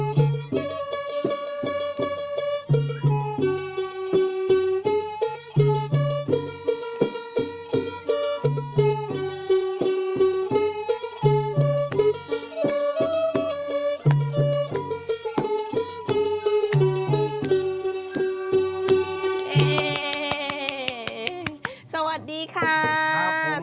สวัสดีค่ะสวัสดีน้องด้วยนะคะแล้วดีค่ะถูกน้อง